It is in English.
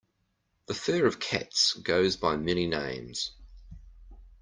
The fur of cats goes by many names.